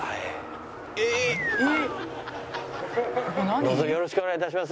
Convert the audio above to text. どうぞよろしくお願い致します。